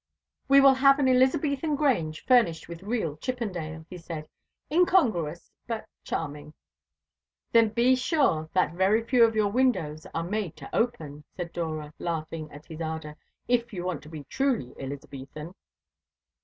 "We will have an Elizabethan Grange furnished with real Chippendale," he said. "Incongruous, but charming." "Then be sure that very few of your windows are made to open," said Dora, laughing at his ardour, "if you want to be truly Elizabethan."